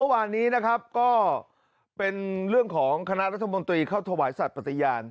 เมื่อวานนี้นะครับก็เป็นเรื่องของคณะรัฐมนตรีเข้าถวายสัตว์ปฏิญาณ